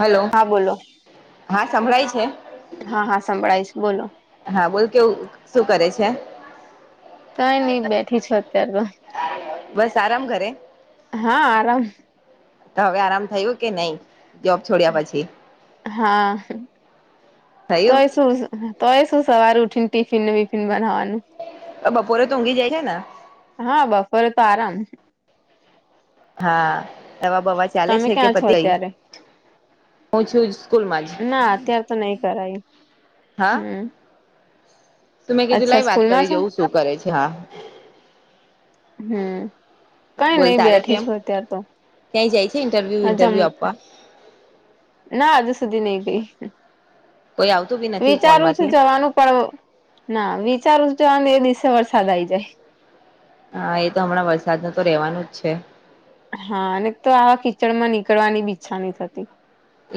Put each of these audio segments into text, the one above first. Hello હા બોલો હા સંભળાય છે. હા, હા સંભળાય છે બોલો. હા બોલ કેવું શું કરે છે? કઈ નહીં બેઠી છું અત્યારે તો. બસ આરામ કરે. હા આરામ તો હવે આરામ થયું કે નહી જોબ છોડ્યા પછી. હા થયું તોય શું તોય શું સવાર ઉઠી ને ટિફિન ને વિફિન બનાવવાનું. બપોરે તો ઊઘી જાય છે ને. હા બપોરે તો આરામ છે. હા દવા બવા ચાલે તમે છે કે ક્યાં છો પતિ ગઈ. અત્યારે હું છું સ્કૂલમાં જ ના અત્યારે તો નહી કરાયું હા? હમ તો મેં કીધું અચ્છા લાય વાત સ્કૂલમાં કરી છો જેવું શું કરે છે હા. હમ. કઈ બોલ નઈ તારે બેઠી કેમ છું અત્યારે તો ક્યાંય જાય છે ઇન્ટરવ્યુ હજમ ઇન્ટરવ્યુ આપવા ના હજુ સુધી નઈ ગઈ કોઈ આવતું બી નથી વિચારું છું ફોનમાંથી જવાનું પડ ના વિચારું જો આને એ દિવસે વરસાદ આઈ જાય. હા એ તો હમણાં વરસાદ તો રહેવાનું જ છે. હા અને તો આવા કીચડ માં નીકળવાની બી ઈચ્છા નઈ થતી.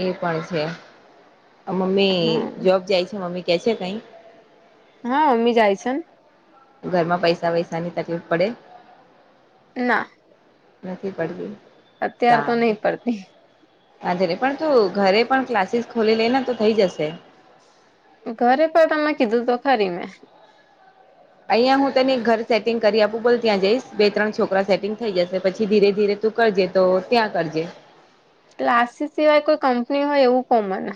એ પણ છે મમ્મી હા જોબ જાય છે મમ્મી કે છે કઈ. હા મમ્મી જાય છે. ઘરમાં પૈસા વૈસા ની તકલીફ પડે? ના. નથી પડતી. અત્યાર તો નહી પડતી. હાજરે પણ તું ઘરે પણ ક્લાસીસ ખોલી લે ને તો થઈ જશે. ઘરે પણ તમને કીધું તો ખરી મેં. અહિયાયા હું તને એક ઘર સેટિંગ કરી આપું બોલ ત્યાં જઈશ બે ત્રણ છોકરા સેટિંગ થઈ જશે પછી ધીરે ધીરે તું કરજે તો ત્યાં કરજે. કલાસીસ સીવાય કોઈ કંપની હોય એવું કો મને.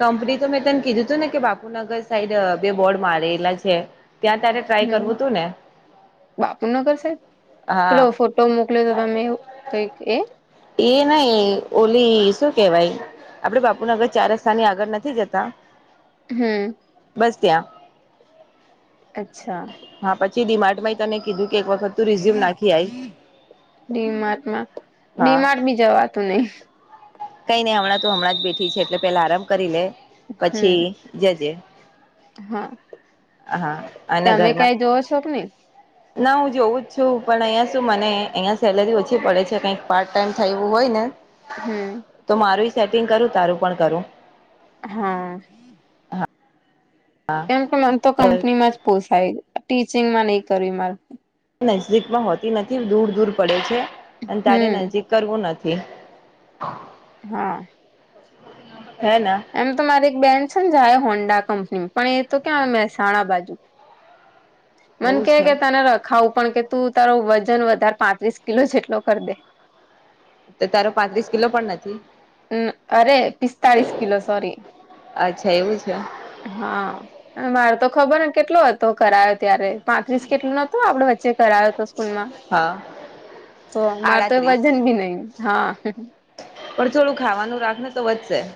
કંપની તો મેં તને કીધું હતું ને કે બાપુનગર સાઈડ બે બોર્ડ મારેલા છે. ત્યાં તારે ટ્રાય હમ કરવું તું ને બાપુનગર સાઈડ હા પેલો ફોટ મોકલે તો તમે કઈક એ? એ નહી ઓલી શું કેવાય આપડે બાપુ ના નગર ચાર રસ્તાની આગળ નથી જતા હમ. બસ ત્યા. અચ્છા. હા પછી ડિમાર્ટમાં તને કીધું કે એક વખત તું રિઝુયમ નાખી આય. ડીમાર્ટમાં હા ડીમાર્ટ બી જવાતું નઈ. કઈ નહી હમણાં તો હમણાં જ બેઠી છે એટલે પેલા આરામ કરી લે હમ પછી જજે. હા હા અને તમે ઘરમાં ક્યાંય જોવો છો કે નહી ના હું જોવું જ છું પણ અહીંયા શું મને અહીંયા સેલરી ઓછી પડે છે કંઈક પાર્ટ ટાઈમ થાય એવું હોય ને. હમ્મ. તો મારું સેટિંગ કરું તારું પણ કરું. હા. કેમ કે મને તો કંપની માં જ પોસાય ટીચિંગમાં નહી કરવી માર. નજદીકમાં હોતી નથી દૂર દૂર પડે છે અને તારે હમ નક કરવું નથી. હા. હે ના? એમ તો મારી એક બેનડ છે ને જાય હોન્ડા કંપની પણ એ તો ક્યાં આવે મહેસાણા બાજુ. મને એવું કે છે કે તને રખાવું પણ કે તું તારો વજન વધારે પાંત્રીસ કિલો જેટલો કરી દે. તો તારો પાંત્રીસ કિલો પણ નથી? હ અરે પિસ્તાળીસ કિલો સોરી. અચ્છા એવું છે. હા. મારે તો ખબર ને કેટલો હતો કરાયો ત્યારે પાંત્રીસ કેટલું નતું આપડે વચ્ચે કરાયો તો સ્કૂલમાં, હા તો મારે તો આડત્રીસ વજન ભી નહી હા. પણ થોડું ખાવાનું રાખ તો વધશે.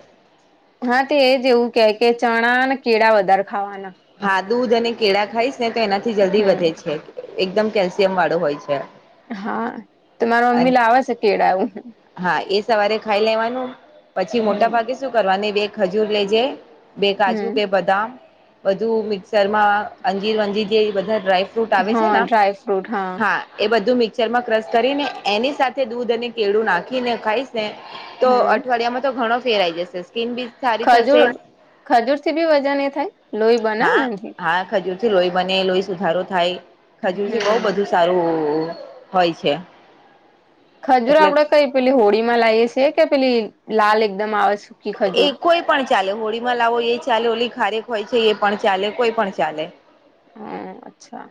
હા તે એજ એવું કે કે ચણા ને કેળા વધારે ખાવાના. હા દુધ અને કેળા ખાઈશ ને તો એનાથી જલ્દી હમ વધે છે એકદમ કેલ્શિયમ વાળો હોય છે. હા તો મારા અને મમ્મી લાવે છે કેળા એવુ. હા એ સવારે ખાઈ લેવાનું પછી મોટા હમ ભાગે શું કરવાનું બે ખજૂર લેજે બે કાજુ, હમ બે બદામ બધું મિક્સર માં અંજીર વંજીર જે બધા ડ્રાય ફૂટ આવે છેન હા ડ્રાયફ્રૂટ હા. એ બધું મિક્ચરમાં ક્રશ કરીને એની સાથે દૂધ અને કેળું નાખીને ખાઈશ ને તો હમ અઠવાડિયામાં તો ઘણો ફેર આઈ જશે સ્કીન બી સારી ખજૂર થશે ખજૂર થી બી વજન એ થાય લોહી બનેન એનથી. ખજૂર થી લોહી બને, લોહી સુધારો થાય ખજૂર થી બહ હમ બધું. સારું હોય છે. ખજૂર એટલે આપડે કઈ પેલી હોળી માં લાઈએ છીએ કે પેલી લાલ એકદમ આવે છે. એ કોઈ પણ ચાલે હોળીમાં લાવો એ ચાલે હોલી ખારેક હોય છે એ પણ ચાલે કોઈ પણ ચાલે. હ અચ્છા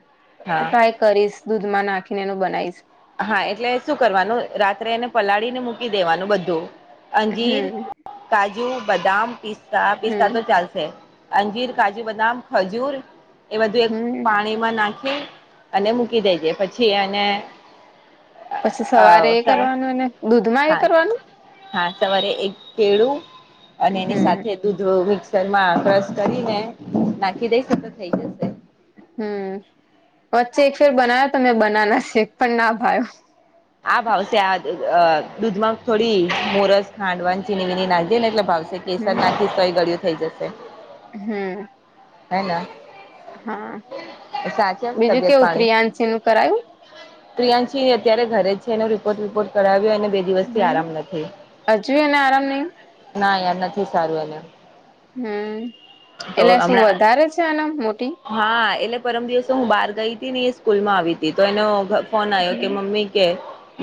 હા ટ્રાય કરીશ દૂધમાં નાખીને એનું બનાવીશ. હા એટલે શું કરવાનું રાત્રે એને પલાળીને મૂકી દેવાનું બધું અંજીર હમ કાજુ, બદામ, પિસ્તા, પિસ્તા હમ તો ચાલશે. અંજીર, કાજુ, બદામ, ખજૂર એ બધું એક પાણી હમ પાણીમાં નાખી અને મૂકી દેજે પછી અને પછી સવારે એ કરવાનું એને, દૂધમાં એ હા કરવાનું? હા સવારે એક કેળું અને એની હમ સાથે દૂધ મિક્સર માં ક્રશ કરીને નાખી દઈશતો થઈ જશે. હમ્મ, વચ્ચે એક ફેર બનાયો તો મેં બનાના શેખ પણ ના ભાય્યો. આ ભાવશે આ દૂધમાં થોડી મોરસ ખાંડ વાન ચીની વિની નાખ દે ને એટલે ભાવશે. કેસર નાથી સય ગળિઓ થઈ જશે. હમ્મ. હેને? હા, બીજું તબિયત કેવું પાણી પ્રિયાંશિ નું કરાયું? પ્રિયાંશી અત્યારે ઘરે છે એનો રિપોર્ટ વિપોર્ટ કરાવ્યો અને દિવસ થી હમ આરામ નથી, હજુ એને આરામ નહી ના યાર નથી સારું એને. હમ્મ, તો એટલે શું હમણાં વધારે છે આના મોટી? હા એટલે પરમ દિવસો હું બહાર ગઈ હતી ને એ સ્કૂલ માં આવી હતી તો એનો ફોન આવ્યો કે હમ મમ્મી કે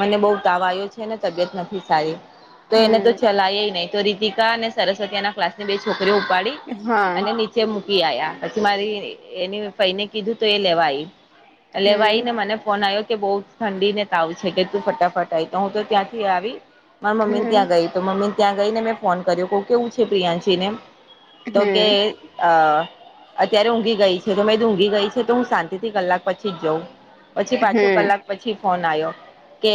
મને બઉ તાવ આવ્યો છેને તબિયત નથી સારી તો એને તો હમ ચલાય નહી તો રીતિકા અને સરસ્વતી એના ક્લાસની બે છોકરીઓ ઉપાડી હા અને નીચે મૂકી આયા પછી મારી એની ફઈને કીધું તો એ લેવા આઈ લેવા હમ આવી ને મને ફોન આવ્યો કે બઉ ઠંડી ને તાવું છે કે તું ફટાફટ આવી તો હું તો ત્યાંથી આવી મારા મમ્મી ને હમ ત્યાં ગઈ તો મમ્મી ત્યાં ગઈને મેં ફોન કર્યો કહું કેવું છે પ્રિયાંશીને તો હમ કે આ અત્યારે ઊંઘી ગઈ છે તો મે ઊઘી ગઈ છે તો હું શાંતિથી કલાક પછી જ જઉં પછી પાછો હમ કલાક પછી ફોન આવ્યો કે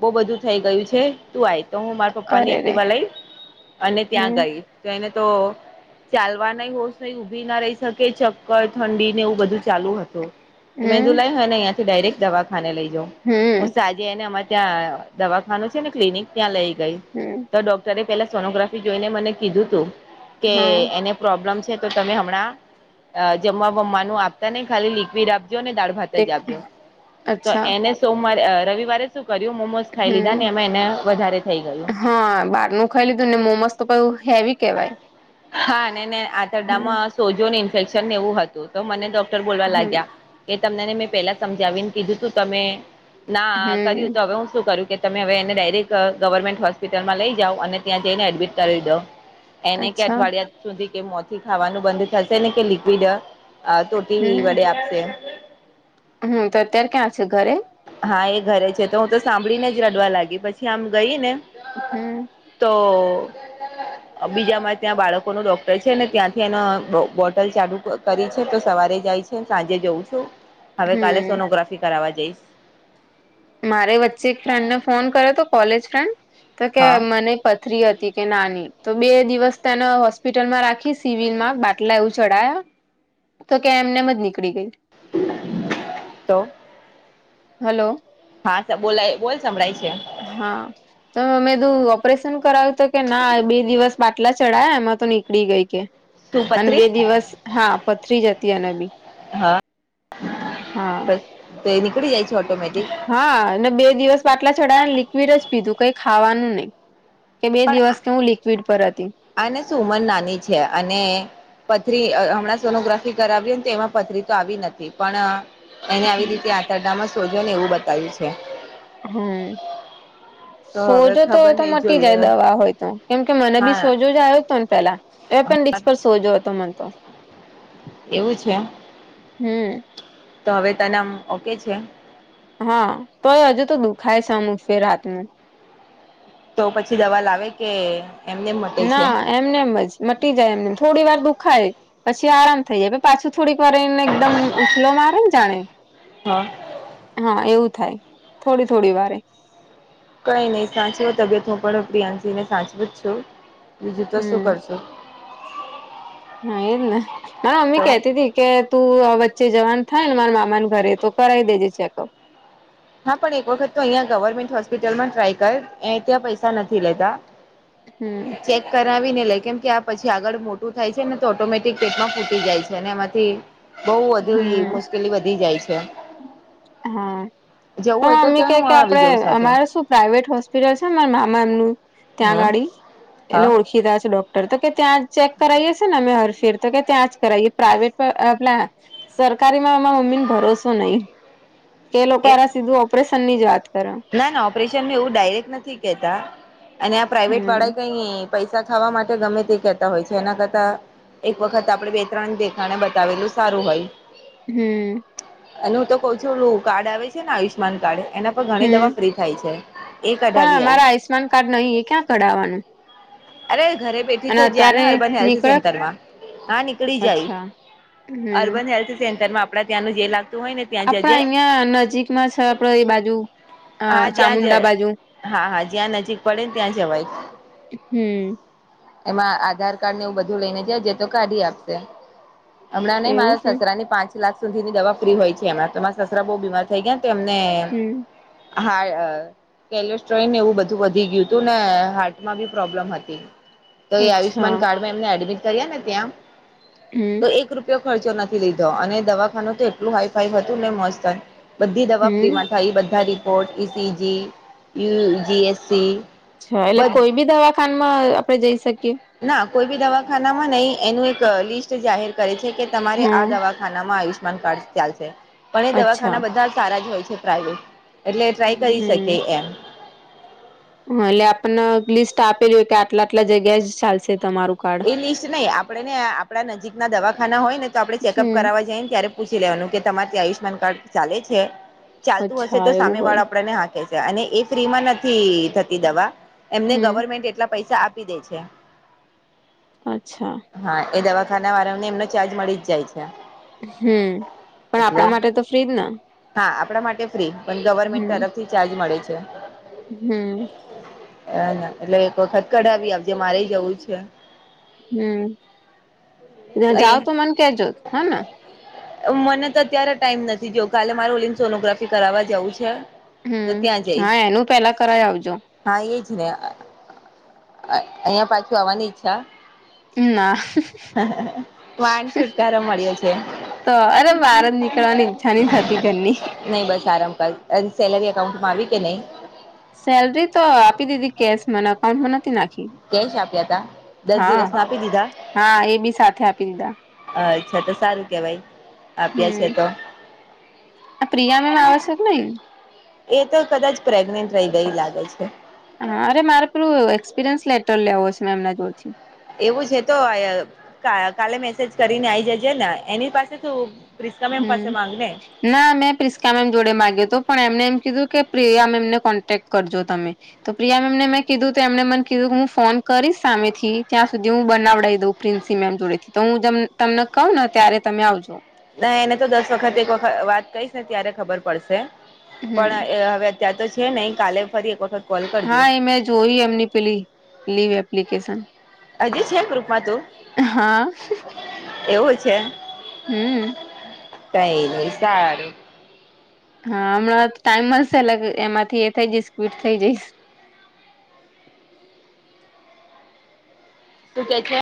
બહુ બધું થઈ ગયું છે તું આય તો હું મારા પપ્પા ની અરે રે એક્ટિવા લઈ અને ત્યાં હમ ગઈ તો એને તો ચાલવા નઈ હોશ નહી ઊભી ના રહી શકે ચક્કર ઠંડી ને એવું બધું ચાલુ હતું મેંદુ હમ લાઈ હોય ને અહીંયા થી ડાયરેક્ટ દવાખાને લઈ જઉં હમ હું સાજી જે એને અમારે ત્યાં દવાખાનું છે ને ક્લિનિક ત્યાં લઈ ગઈ હમ્મ. તો ડોક્ટરે પેલા સોનોગ્રાફી જોઈને મને કીધું તું કે હા ને પ્રોબ્લમ છે તો તમે હમણા જમવા બમવાનું આપતા નઈ ખાલી લિક્વિડ આપજો ને દાળ ભાત જ એક આપજો તો અચ્છા એને સોમવારે રવિવારે શું કર્યું મોમોઝ ખાઈ લીધા હમ ને અમે એને વધારે થઈ ગયું હા બહાર નું ખાઈ લીધું ને મોમોસ તો હેવી કેવાય. હા ને આંતરડામાં હમ સોજોને ઇન્ફેક્શન એવું હતું. તો મને ડોક્ટર બોલવા હમ લાગ્યા એ તમનેને મેં પેલા સમજાવીને કીધું તું તમે ના હમ કર્યું તો હવે હું શું કરીશ કે તમે હવે એને ડાયરેક્ટ ગવર્મેન્ટ હોસ્પિટલમાં લઈ જાઓ અને ત્યાં જઈને એડમિટ કરી દો. એને કે અચ્છા અઠવાડિયા સુધી કે મોથી ખાવાનું બંધ થશે ને કે લિક્વિડ અ થો થી વળ્યા આપશે. હમ્મ તો અત્યારે ક્યાં છે ઘરે? હા એ ઘરે છે તો હું તો સાંભળીને જ રડવા લાગી પછી આમ ગઈ ને હમ્મ. તો બીજામાં ત્યાં બાળકોનું ડોક્ટર છે ને ત્યાંથી એનો બોટલ ચાલુ કરી છે તો સવારે જાય છે. સાંજે જોઉં છું હવે કાલે હમ સોનોગ્રાફી કરાવા જઈશ. મારે વચ્ચે એક ફ્રેન્ડને ફોન કર્યો હતો કોલેજ ફ્રેન્ડ તો કે હા મને પથરી હતી કે નાની તો બે દિવસ તેને હોસ્પિટલમાં રાખી સિવિલ માં બાટલા એવું ચઢાયા તો ક્યાં એમને મ જ નીકળી ગઈ. તો હલો. હા તો બોલાય બોલ સંભળાય છે. હા. તો મેધું ઓપરેશન કરાવ્યું તો કે ના બે દિવસ બાટલા ચઢાયા એમાં તો નીકળી ગઈ કે શું અને પથરી બે દિવસ હા પથરી જતી અને બી હા હા. બસ તો નીકળી જાય છે ઓટોમેટિક હા બે દિવસ બાટલા ચઢાવને લિક્વિડ જ પીધું કઈ ખાવાનું નહી. કે બે દિવસ પણ કે હું લિક્વિડ પર હતી. આને સુમન નાની છે અને પથરી હમણાં સોનોગ્રાફી કરાવી ને તો એમાં પથરી તો આવી નથી પણ એને આવી રીતે આંતરડામાં સોજો ને એવું બતાવ્યું છે. હમ્મ. તો હવે સોજો તો ખબર હોય તો નહી મટી જાય જોઈએ દવા હોય તો કેમ કે મને બી હા સોજો જ આવ્યો તો ન પેલા એપેન્ડિકસ પર સોજો હતો મન તો એવું છે. હમ. તો હવે તને અમ ઓકે છે. હા તો હજુ તો દુખાય સામુ ફે રાતનું તો પછી દવા લાવે કે. એમને મટે છે ના એમનેમ જ મટી જાય એમને થોડી વાર દુખાય પછી આરામ થઈ જાય એ વળી પાછું. થોડીક વાર એને એકદમ ઉછલો મારે જાણે હા હા એવું થાય થોડી થોડી વારે. કઈ નહી સાચવો તબિયત હું પણ પ્રિયાંશ ને સાચવું જ છું બીજું તો શું હમ કરશું. હા એ ને તારી તો મમ્મી કેતી હતી. કે તું વચ્ચે જવાન થાય ને મારા મામા ન ઘરે તો કરાવી દેજે ચેકઅપ હા પણ એક વખત તો અહીંયા ગવર્મેન્ટ હોસ્પિટલમાં ટ્રાય કર એ ત્યાં પૈસા નથી લેતા. હમ. ચેક કરાવી ને લે કેમ કે આ પછી આગળ મોટું થાય છે ને તો ઓટોમેટિક પેટમાં ફૂટી જાય છે અને એના માંથી બઉ વધુ હમ મુશ્કેલી વધી જાય છે. હા જવું હોય પણ તો મમ્મી કે હું કે આવી આપડે જઉં સાથે અમારે શું. પ્રાઈવેટ હોસ્પિટલ છે મારા મામા નુ ત્યાં હમ વાળી એટલે હા ઓળખીતા છે ડોક તો કે ત્યાં ચેક કરાઇ હશે ને મે હરશીલ તો ત્યાં જ કરાવએ પ્રાઇવેટ પ્લા સરકારીમાં મારા મમ્મી ને ભરોસો તો નહી કે લોકો એ હારા સીધું ઓપરેશન ની જ વાત કરે. ના ના ઓપરેશન એવું ડાયરેક્ટ નથી કહેતા અને આ પ્રાઈવેટ હમ વાળા કઈ. પૈસા ખાવા માટે ગમે તે કેહેતા હોય છે એના કરતા એક વખત આપડણે બે ત્રણ દેખાડે બતાવેલું સારું હોય. હમ. અને હું તો કઉ છું ઓલુ કાર્ડ આવે છે ને આયુષ્યમાન કાર્ડ એના પણ ઘણી હમ દવા ફ્રી થાય છે એ કઢાવી આઈ કાડૅ નહી ઇ ક્યાં કઢાવવાનું અરે ઘરે બેઠી તો જયા ને અર્બન હેલ્થ નીકળે સેન્ટર માં હા નીકળી જાય અચ્છા હમ અર્બન હેલ્થ સેન્ટરમાં આપડાે ત્યાંનું જે લાગતું હોય ને ત્યાં જજે આપણા અહિયાં નજીકમાં છે આપડે ઇ બાજુ હ હા જ્યાં ચામુંડા બાજુ જીયા હા હા જ્યાં નજીક પડે ન ત્યાં જવાય. હમ્મ. એમાં આધાર કાર્ડ ને એવું બધું લેઈને જાજે તો કાઢી આપશે. અમણાં નઈ એવું મારા છે સસરા ની પાંચ લાખ સુધીની દવા ફ્રી હોય છે હમણા તો માર સસરા બો બીમાર થઈ ગયા તો એમને હમ આ હા કેલોઇસ્ટ્રોઇન ને એવું બધું વધી ગ્યું તું ને હાર્ટમાં બી પ્રોબ્લમ હત. તો એ અચ્છા આયુષમાન કાર્ડ મા એમેને એડબીટ કર્યા ને ત્યાં હમ્મ. તો એક રૂપયો ખર્ચો નથી લીધો અને દવાખાનું તો એટલું હાઈ ફાઈ હતું ને મસ્ત. બધ્ધી દવા હમ ફ્રીમાં થાય ઇ બધ્ધા રિપોર્ટ ઈ સીજી ઇલજી એસ સી. છા એટલે કોઈ બી દવાખાનમાં આપડે જઈ શકીએ. ના કોઈ બી દવાખાનામાં નઈ એનું એક લિસ્ટ જાહેર કરે છે કે તમારે આ હમ દવા આનામાં આયુષમાન કાર્ડ ચાલશે પણ એ અચ્છા દવાખાના બધા સારા જ હોય છે પ્રાઇવેટ એટલે ટ્રાય કરી શકીએ એમ હ લે આપને લિસ્ટ આપેલી ઓય કે આટલા આટલે જગ્યે જ ચાલશે તમારું કાર્ડ એ લિસ્ટ નઈ આપણેને આપણા નજીકના દવાખાના હોય ને તો આપણે ચેકઅપ હમ કરાવા જઈ ત્યારે પૂછી લેવાનું કે તમાર જે આયુષમાન કાર્ડ ચાલે છે ચાલતું હશે અચ્છા તો એવું સામે હોય વાળા આપળેને હા કેય છે અને એ ફ્રી માં નથી થતી દવા એમને હમ ગવર્મેન્ટ એટલા પૈસા આપી દે છે. અચ્છા. હા એ દવાખાના વાળાઓને એમનો ચાર્જ મળી જ જાય છે. હમ્મ, પણ એટલે આપળા માટે તો ફ્રી જ ન હા, આપડા માટે ફ્રી પન ગવર્મેન્ટ તરફથી ચાર્જ મળે છે. હમ્મ. એ એટલે એક વખત કઢાવી આવજે મારેયએ જવું છે હમ્મ, ત્યાં જાવ તો મન કેજો હને. અઉ મને તો અત્યારે ટાઈમ નથી જો કાલે મારુ ઓલીનું સોનોગ્રાફી કરાવા જવું છે. તો હમ્મ, ત્યાં જઈશ હા એનું પેલા કરાય આવજો. હા એજ ને અ-અ-અ અ અહીંયા પાછું આવાની ઈચ્છા ના વાન છુટકારો મળ્યો. છે તો અરે-રે-રે બાર જ નીકળવાની ઈચ્છા ની થતી ઘરની નઈ બસ આરામ કર અન સેલેરી અકાઉન્ટમાં આવી કે નઈ? સેલરી તો આપી દીધી કેશ મને અકાઉનમાં નથી નાખી. કેશ આપ્યા તા દસ હઅ-અ દિવસમાં આપી દીધા હા આ એ બી સાથે આપી દીધા. અચ્છા તો સારું કેવાય આપ્યા છે હમ તો આ પ્રિયા મેમ આવે છે કે નઈ? એ તો કદાચ પ્રેગ્નેન્ટ રઈ ગઈ લાગે છે. હા અરે મારે પેલું-લું એક્સપિરિયન્સ લેટર લેવો છ મેમના જોડથી એવું છે તો અય કાલ કાલે મેસેજ કરીને આઈ જજે ને એની પાસે શું હમ્મ. ના મેં પ્રિસ્કા મેમ જોડે માગ્યો તો પણ એમને એમ કીધું કે પ્રિયા મેમને કોન્ટેક કરજો તમે તો પ્રિયા મેમને મેં કીધું તો એમને મન કીધું હું ફોન કરીશ સામેથી ત્યાં સુધી હું બનાવડાઈ દઉં પ્રિન્સી મેમ જોડે થી તો હું તમ તમને કઉંને ત્યારે તમે આવજો. ના એને તો દસ વખત એક વખત વાત કહીશને ત્યારે ખબર પડશે હમ પણ એ હવે ત્યાં તો છે નઈ કાલે ફરી એક વખત કોલ કરજે હા એ મેં જોવી એમની પેલી લીવ એપ્લિકેશન. અજી છે ગ્રુપમાં તું? હાઅ-હ-હ એવું છે. હમ-મ-મ કઈ નહી, સારું. હા, હમણાં તો ટાઈમ મળશે અલગ એમાંથી એ થઈ જઈશ ક્વિટ થઇ જઈશ. શું કહે છે?